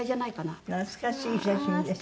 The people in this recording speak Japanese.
懐かしい写真ですよね。